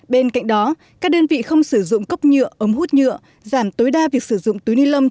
bên cạnh đó các đơn vị không sử dụng cốc nhựa ống hút nhựa giảm tối đa việc sử dụng túi ni lông